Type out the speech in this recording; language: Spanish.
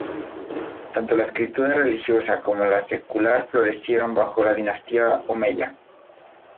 Tanto la escritura religiosa como la secular florecieron bajo la dinastía Omeya.